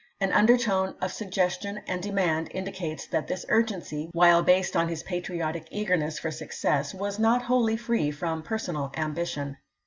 An undertone of suggestion and de mand indicates that this urgency, while based on his patriotic eagerness for success, was not wholly free from personal ambition.